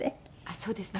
そうですね。